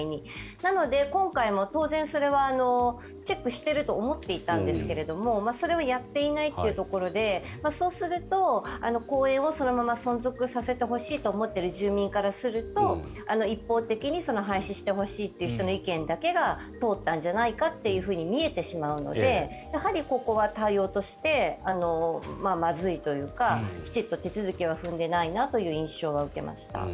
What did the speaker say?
なので今回も当然、それはチェックしていると思っていたんですがそれをやっていないというところでそうすると、公園をそのまま存続させてほしいと思っている住民からすると一方的に廃止してほしいと言う人の意見だけが通ったんじゃないかと見えてしまうのでやはりここは対応としてまずいというかきちんと手続きを踏んでいないなという印象を受けました。